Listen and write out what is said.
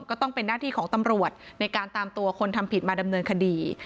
ก็ต้องเป็นหน้าที่ของตำรวจในการตามตัวคนทำผิดมาดำเนินคดี